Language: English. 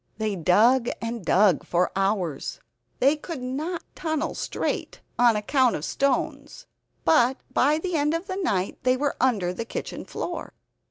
They dug and dug for hours. They could not tunnel straight on account of stones; but by the end of the night they were under the kitchen floor.